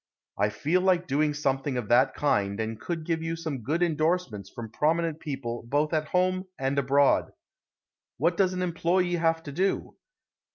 I feel like doing something of that kind and could give you some good endorsements from prominent people both at home and abroad. What does an employe have to do?